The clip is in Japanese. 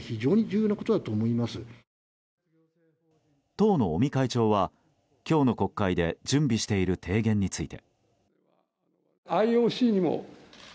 当の尾身会長は、今日の国会で準備している提言について。